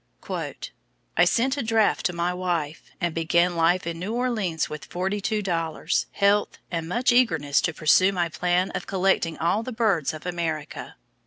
"I sent a draft to my wife, and began life in New Orleans with forty two dollars, health, and much eagerness to pursue my plan of collecting all the birds of America."